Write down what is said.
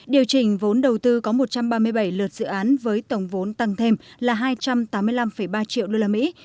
điều chỉnh vốn đầu tư có một trăm ba mươi bảy lượt dự án với tổng vốn tăng thêm là hai trăm tám mươi năm ba triệu đô la mỹ